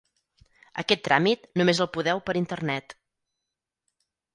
Aquest tràmit només el podeu per internet.